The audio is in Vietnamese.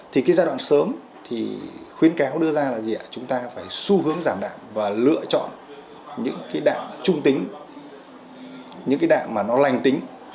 thì cái giai đoạn sớm thì khuyến cáo đưa ra là gì ạ chúng ta phải xu hướng giảm đạm và lựa chọn những cái đạm trung tính những cái đạm mà nó lành tính